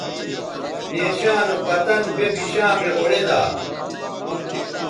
نیشاں نو پتن بے بشامےاوڑیدا